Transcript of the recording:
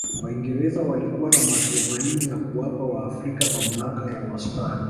waingereza walikuwa na matumaini ya kuwapa waafrika mamlaka ya wastani